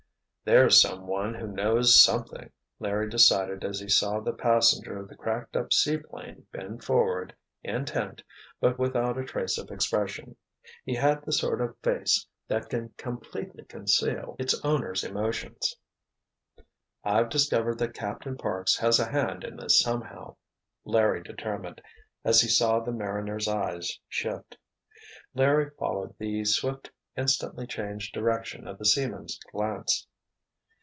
"There's some one who knows something!" Larry decided as he saw the passenger of the cracked up seaplane bend forward, intent, but without a trace of expression. He had the sort of face that can completely conceal its owner's emotions. "I've discovered that Captain Parks has a hand in this somehow," Larry determined, as he saw the mariner's eyes shift. Larry followed the swift, instantly changed direction of the seaman's glance.